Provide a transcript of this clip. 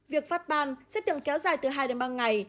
việc phát ban sẽ tưởng kéo dài từ hai ba ngày